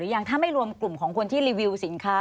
อย่างถ้าไม่รวมกลุ่มของคนที่รีวิวสินค้า